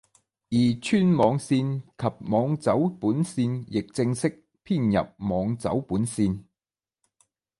而钏网线及网走本线亦正式编入网走本线。